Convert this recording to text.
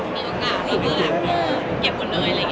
ขอบคุณภาษาให้ด้วยเนี่ย